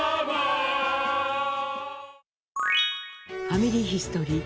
「ファミリーヒストリー」